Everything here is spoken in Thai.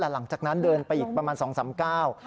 แล้วหลังจากนั้นเดินไปอีกประมาณ๒๓เก้า